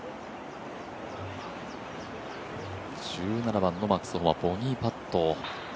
１７番のマックス・ホマはボギーパット。